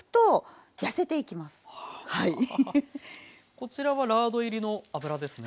こちらはラード入りの油ですね。